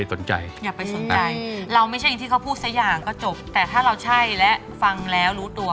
แต่ถ้าเราใช่แล้วฟังแล้วรู้ตัว